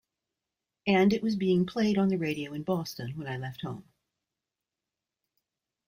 And it was being played on the radio in Boston, when I left home.